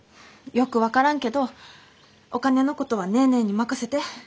よく分からんけどお金のことはネーネーに任せて。